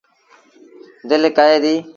دل ڪهي دي۔